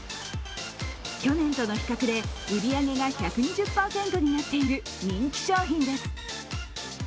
去年の比較で売上が１２０％になっている人気商品です。